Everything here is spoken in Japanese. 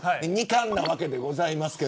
２冠なわけでございます。